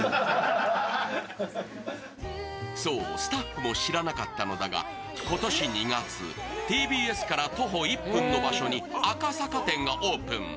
そう、スタッフも知らなかったのだが、今年２月、ＴＢＳから徒歩１分の場所に赤坂店がオープン。